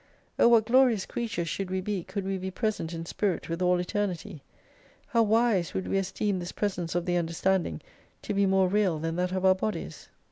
O what glorious creatures should we be could we be present in spirit with all Eternity ! How wise, would we esteem this presence of the understanding, to be more real than that of our bodies